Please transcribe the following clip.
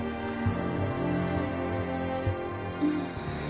うん。